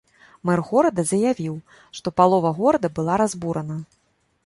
Мэр горада заявіў, што палова горада была разбурана.